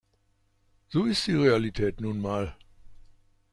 So ist die Realität nun mal.